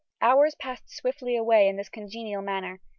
Hours passed swiftly away in this congenial manner.